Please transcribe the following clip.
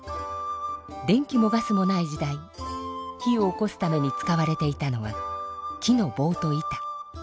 電気もガスもない時代火をおこすために使われていたのは木のぼうと板。